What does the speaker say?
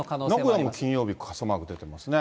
名古屋に金曜日、傘マークになってますね。